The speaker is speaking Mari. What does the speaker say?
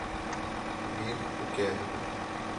Вӱд уке.